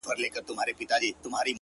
• له ما پـرته وبـــل چــــــاتــــــه ـ